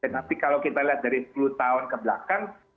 tapi kalau kita lihat dari sepuluh tahun kebelakang